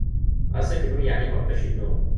Ɣas akken ur yeɛlim ɣef wacu i nnuɣen.